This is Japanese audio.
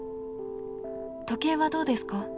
「時計はどうですか？